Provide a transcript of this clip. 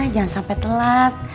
jangan sampai telat